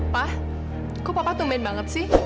pak kok bapak tumben banget sih